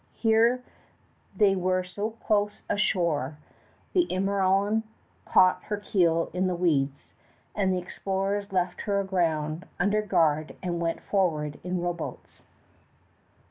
Here they were so close ashore the Emerillon caught her keel in the weeds, and the explorers left her aground under guard and went forward in rowboats.